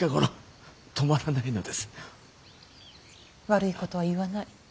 悪いことは言わない。